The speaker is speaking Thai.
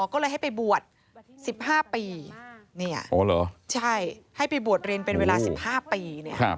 ก็เลยให้ไปบวช๑๕ปีให้ไปบวชเรียนเป็นเวลา๑๕ปี